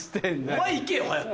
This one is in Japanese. お前行けよ早く。